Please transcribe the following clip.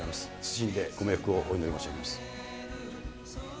謹んでご冥福をお祈り申し上げます。